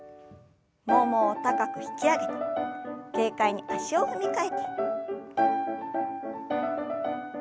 ももを高く引き上げて軽快に足を踏み替えて。